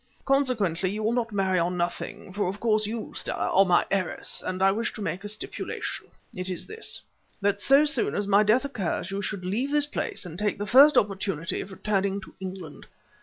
Consequently you will not marry on nothing, for of course you, Stella, are my heiress, and I wish to make a stipulation. It is this. That so soon as my death occurs you should leave this place and take the first opportunity of returning to England.